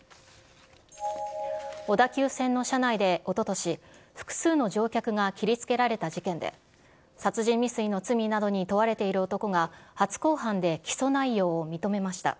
小田急線の車内で、おととし、複数の乗客が切りつけられた事件で、殺人未遂の罪などに問われている男が、初公判で起訴内容を認めました。